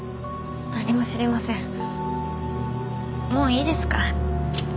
もういいですか？